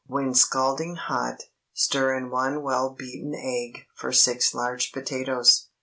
When scalding hot, stir in one well beaten egg for six large potatoes.